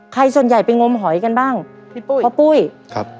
ส่วนใหญ่ไปงมหอยกันบ้างพี่ปุ้ยพ่อปุ้ยครับ